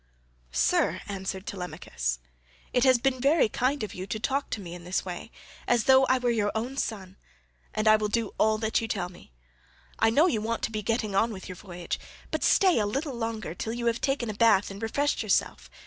"Sir," answered Telemachus, "it has been very kind of you to talk to me in this way, as though I were your own son, and I will do all you tell me; I know you want to be getting on with your voyage, but stay a little longer till you have taken a bath and refreshed yourself.